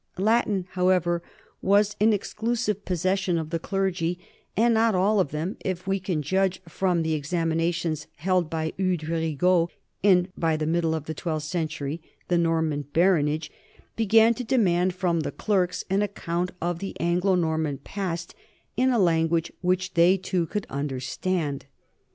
Latin, however, was an exclusive possession of the clergy, and not of all of them, if we can argue from the examinations held by Eudes Rigaud, and by the middle of the twelfth century the Norman baronage began to demand from the clerks an account of the Anglo Norman past in a language which they too could understand.